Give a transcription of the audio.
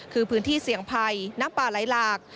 คือพื้นที่เสี่ยงไผ่นักป่าไลลาก